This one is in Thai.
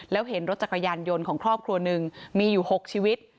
แล้วเห็นรถจักรยานยนต์ของครอบครัวหนึ่งมีอยู่๖ชีวิต